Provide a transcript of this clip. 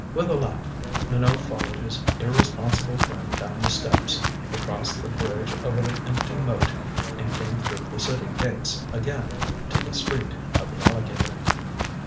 With a laugh, Minot followed his irresponsible friend down the steps. They crossed the bridge over the empty moat and came through the city gates again to the street of the alligator.